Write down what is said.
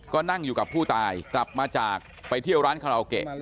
ก็นั่งอยู่กับผู้ตายกลับมาจากไปเที่ยวร้านคาราโอเกะ